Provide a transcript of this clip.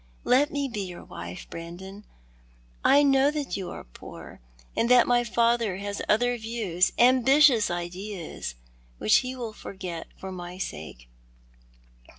Let me be your wife, Brandon. I know that you are poor, and that my fiither has other views — ambitious ideas which he will forget for my sake.